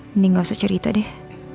mending gak usah cerita deh